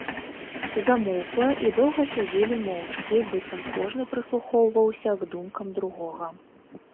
Замоўкла, і доўга сядзелі моўчкі, быццам кожны прыслухоўваўся к думкам другога.